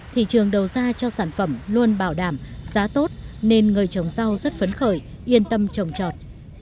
thị trường đầu ra cho sản phẩm luôn bảo đảm giá tốt nên người trồng rau rất phấn khởi yên tâm trồng trọt